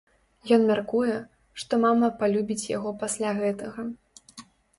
Ён мяркуе, што мама палюбіць яго пасля гэтага.